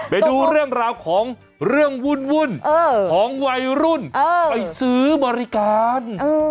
ไปดูเรื่องราวของเรื่องวุ่นของวัยรุ่นไปซื้อบริการ